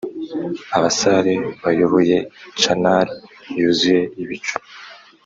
abasare bayoboye canari yuzuye ibicu,